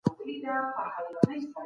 تعلیمي ادارې باید د کیفیت په لټه وي.